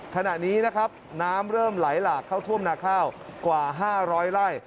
ขณะนี้นะครับน้ำเริ่มไหลหลากเข้าท่วมนาข้าวกว่า๕๐๐ไร่